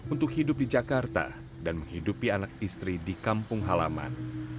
untuk hidup di jakarta dan menghidupi anak istri di kampung halaman